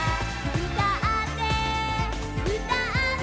「うたってうたって」